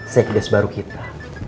sekdes baru kita